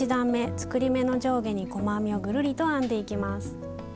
作り目の上下に細編みをぐるりと編んでいきます。